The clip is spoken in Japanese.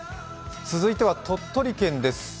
続いては鳥取県です。